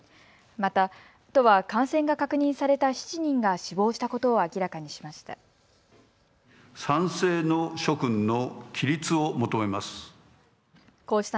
また都は感染が確認された７人が死亡したことを明らかにしました。